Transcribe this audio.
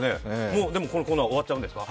でもこのコーナー、終わっちゃうんですか？